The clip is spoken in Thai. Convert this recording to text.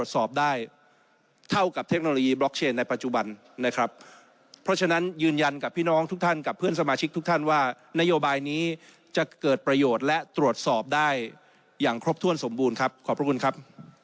สอบได้เท่ากับเทคโนโลยีบล็อกเชนในปัจจุบันนะครับเพราะฉะนั้นยืนยันกับพี่น้องทุกท่านกับเพื่อนสมาชิกทุกท่านว่านโยบายนี้จะเกิดประโยชน์และตรวจสอบได้อย่างครบถ้วนสมบูรณ์ครับขอบพระคุณครับ